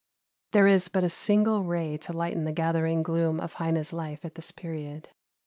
There is but a single ray to lighten the gathering gloom of Heine's life at this period.